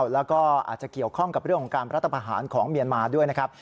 แล้วก็อาจจะเกี่ยวข้องกับเรื่องของการรัฐพาหารของเมียนมาด้วยนะครับ